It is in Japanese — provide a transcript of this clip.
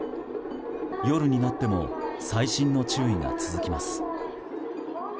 夜になっても細心の注意が続きます。